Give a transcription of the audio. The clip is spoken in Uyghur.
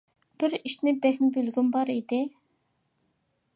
بىر ئىشنى بەكمۇ بىلگۈم بار ئىدى.